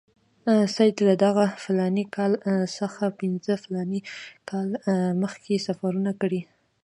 سید له دغه فلاني کال څخه پنځه فلاني کاله مخکې سفرونه کړي.